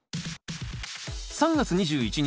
３月２１日